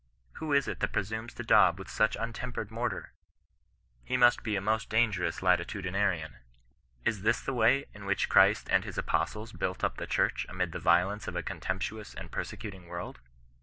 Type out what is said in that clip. Who is it that presumes to daub with such untempered mortar ? He must be a most dangerous latitudinarian. Iif this the way in which Christ and his apostles built up the Church amid the violence of a contemptuous and persecuting world?